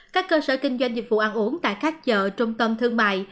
các cơ sở kinh doanh dịch vụ ăn uống tại các chợ trung tâm thương mại